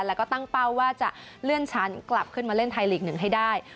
แล้วก็ตั้งเป้าว่าจะเลื่อนชั้นกลับขึ้นมาเล่นไทยลีก๑ให้ได้